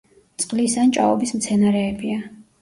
წყლის ან ჭაობის მცენარეებია.